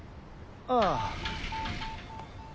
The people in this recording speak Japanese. ああ。